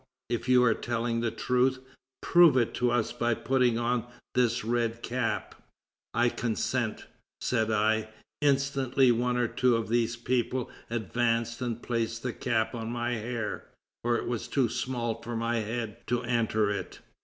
if you are telling the truth, prove it to us by putting on this red cap.' 'I consent,' said I. Instantly one or two of these people advanced and placed the cap on my hair, for it was too small for my head to enter it.